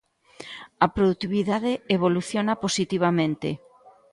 A produtividade evoluciona positivamente.